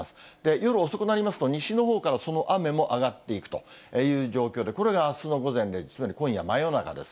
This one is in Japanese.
夜遅くなりますと、西のほうからその雨も上がっていくという状況で、これがあすの午前０時、つまり今夜真夜中です。